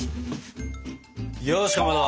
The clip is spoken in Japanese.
よしかまど